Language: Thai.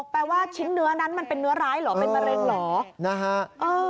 แปลว่าชิ้นเนื้อนั้นมันเป็นเนื้อร้ายเหรอเป็นมะเร็งเหรอนะฮะ